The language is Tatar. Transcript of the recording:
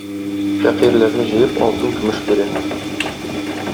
Фәкыйрьләрне җыеп, алтын-көмеш бирә.